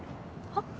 はっ？